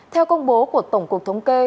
theo công bố của tổng cục thống kê